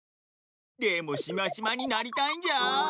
でもしましまになりたいんじゃ。